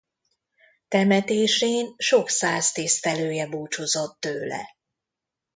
Temetésén sok száz tisztelője búcsúzott tőle.